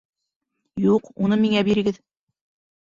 — Юҡ, уны миңә бирегеҙ.